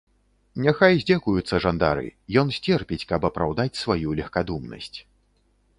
Няхай здзекуюцца жандары, ён сцерпіць, каб апраўдаць сваю легкадумнасць.